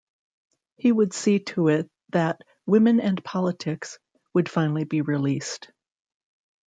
He would see to it that "Women and Politics" would finally be released.